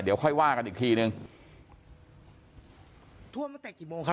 เดี๋ยวค่อยว่ากันอีกทีหนึ่งท่วมตั้งแต่กี่โมงครับ